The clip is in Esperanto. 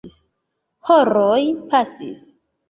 Horoj pasis.